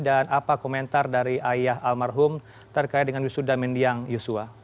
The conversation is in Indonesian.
dan apa komentar dari ayah almarhum terkait dengan wisuda mendiang yosua